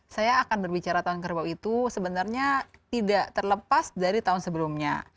saya akan berbicara tahun kerbau itu sebenarnya tidak terlepas dari tahun sebelumnya